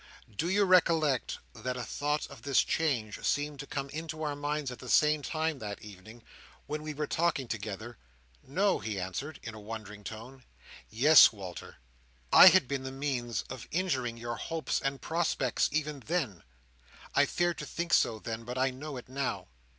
Do you recollect that a thought of this change seemed to come into our minds at the same time that evening, when we were talking together?" "No!" he answered, in a wondering tone. "Yes, Walter. I had been the means of injuring your hopes and prospects even then. I feared to think so, then, but I know it now.